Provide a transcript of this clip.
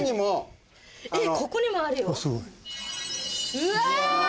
うわ！